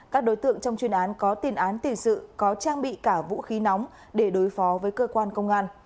các đối tượng trong chuyên án có tiền án tiền sự có trang bị cả vũ khí nóng để đối phó với cơ quan công an